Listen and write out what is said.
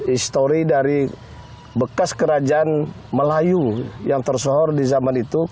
histori dari bekas kerajaan melayu yang tersohor di zaman itu